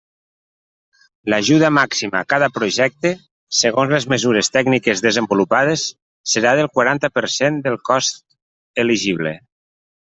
L'ajuda màxima a cada projecte, segons les mesures tècniques desenvolupades, serà del quaranta per cent del cost elegible.